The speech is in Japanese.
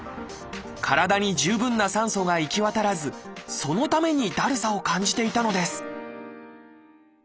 体に十分な酸素が行き渡らずそのためにだるさを感じていたのです